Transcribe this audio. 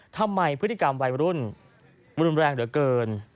ทำไมพฤติกรรมวัยรุ่นรุนแรงเหลือเกิน